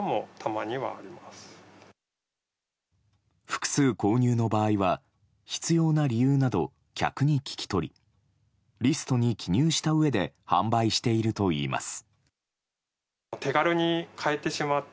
複数購入の場合は必要な理由など客に聞き取りリストに記入したうえで販売しているといいます。